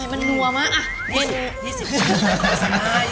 มันนัวมาก